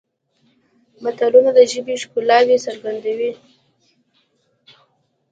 متلونه د ژبې ښکلاوې څرګندوي